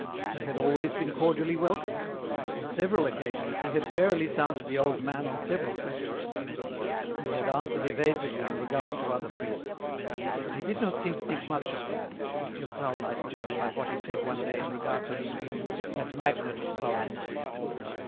He had always been cordially welcomed. On several occasions he had warily sounded the old man on several questions. He had answered evasively in regard to other priests. But he did not seem to think much of them, if Durtal might judge by what he said one day in regard to Lidwine, that magnet of sorrows.